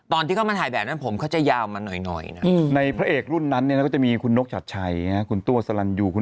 อ๋อพี่ปิ่นเมื่อก่อนเป็นพระเอกมากเลยเหรอ